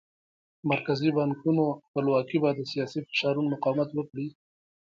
مرکزي بانکونو خپلواکي به د سیاسي فشارونو مقاومت وکړي.